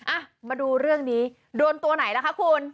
อ่ะมาดูเรื่องนี้โดนตัวไหนล่ะคะคุณ